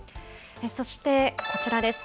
そして、こちらです。